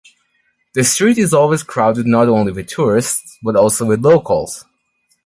The Street is always crowded not only with tourists, but also with locals.